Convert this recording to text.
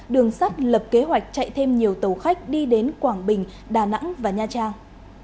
đường sắt lập kế hoạch chạy thêm nhiều tàu khách đi đến quảng bình đà nẵng và nha trang